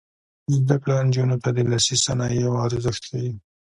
زده کړه نجونو ته د لاسي صنایعو ارزښت ښيي.